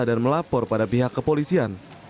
dan melapor pada pihak kepolisian